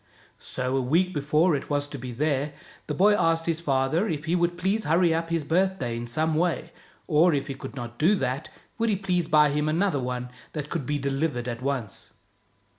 So a week before it was to be there', the boy asked his father if he would please hurry up his birthday in some way, or, if he could not do that, would he please buy him another one that could be delivered at once.